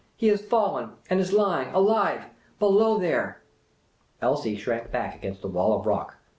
He has fallen, and is lying, alive, below there!" Elsie shrank back against the wall of rock.